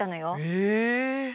へえ！